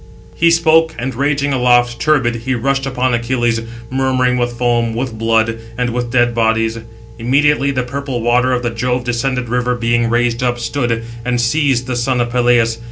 He spoke, and raging aloft, turbid, he rushed upon Achilles, murmuring with foam, with blood, and with dead bodies. Immediately the purple water of the Jove descended river being raised up, stood, and seized the son of Peleus.